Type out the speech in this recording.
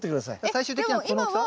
最終的にはこの大きさ？